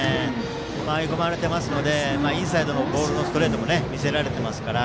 追い込まれていますのでインサイドのボールのストレートも見せられていますから。